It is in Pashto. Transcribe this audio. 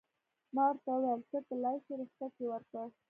ما ورته وویل: ته تلای شې، رخصت یې ورکړ.